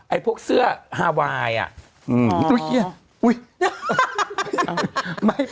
ไอ้พวกเสื้อฮาไวน์นี่